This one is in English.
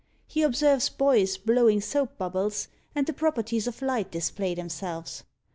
he observes boys blowing soap bubbles, and the properties of light display themselves!